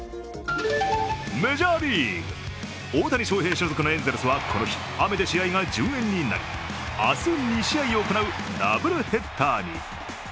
メジャーリーグ、大谷翔平所属のエンゼルスはこの日、雨で試合が順延になり、明日２試合行うダブルヘッダーに。